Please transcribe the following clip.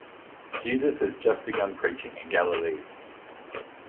Jesus has just begun preaching in Galilee.